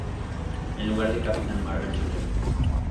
En lugar de Capitán Marvel Jr.